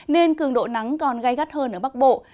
nên cường độ nắng còn gai gắt hơn ở bắc bộ